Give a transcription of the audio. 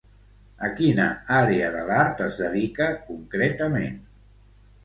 A quina àrea de l'art es dedica concretament?